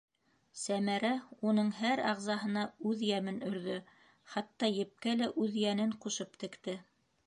Сәмәрә уның һәр ағзаһына үҙ йәмен өрҙө, хатта епкә лә үҙ йәнен ҡушып текте.